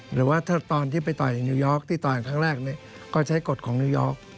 หรือว่าตอนที่ไปต่อยนี่นี่ก็ใช้กฎของนี่